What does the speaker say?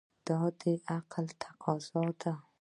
دا د عقل تقاضا ده.